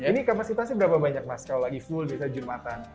ini kapasitasnya berapa banyak mas kalau lagi full bisa jumatan